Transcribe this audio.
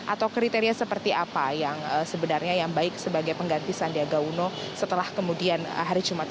atau kriteria seperti apa yang sebenarnya yang baik sebagai pengganti sandiaga uno setelah kemudian hari jumat